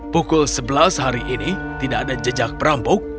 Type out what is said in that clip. pukul sebelas hari ini tidak ada jejak perampok